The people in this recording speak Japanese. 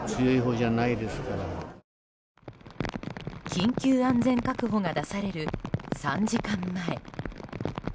緊急安全確保が出される３時間前。